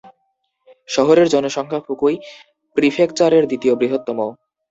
শহরের জনসংখ্যা ফুকুই প্রিফেকচারের দ্বিতীয় বৃহত্তম।